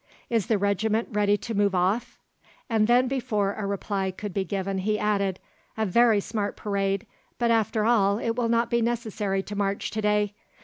"Is the regiment ready to move off?" and then before a reply could be given he added: "A very smart parade, but after all it will not be necessary to march to day.